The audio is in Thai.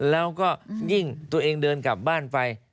แล้วก็ยิ่งตัวเองเดินกลับบ้านไป